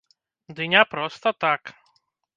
Ды не проста так.